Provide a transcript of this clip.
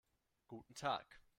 Guten Tag.